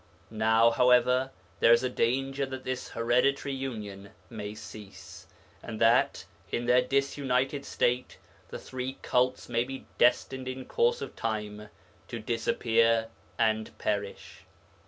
Now, however, there is a danger that this hereditary union may cease, and that, in their disunited state, the three cults may be destined in course of time to disappear and perish.